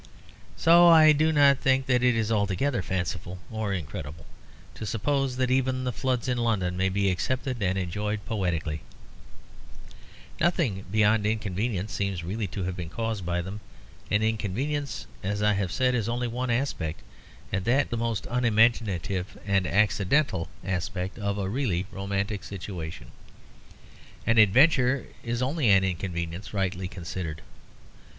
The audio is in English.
So I do not think that it is altogether fanciful or incredible to suppose that even the floods in London may be accepted and enjoyed poetically. Nothing beyond inconvenience seems really to have been caused by them; and inconvenience, as I have said, is only one aspect, and that the most unimaginative and accidental aspect of a really romantic situation. An adventure is only an inconvenience rightly considered.